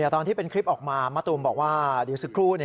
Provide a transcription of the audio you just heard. ตอนที่เป็นคลิปออกมามะตูมบอกว่าเดี๋ยวสักครู่